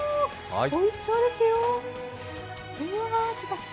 おいしそうですよ。